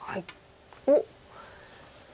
おっ。